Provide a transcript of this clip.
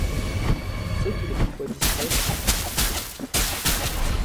Tu sais qu’il est parfois distrait.